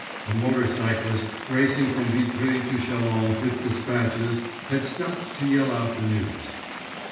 A motorcyclist, racing from Vitry to Châlons with dispatches, had stopped to yell out the news.